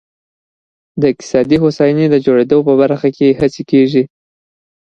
د اقتصادي هوساینې د جوړېدو په برخه کې هڅې کېږي.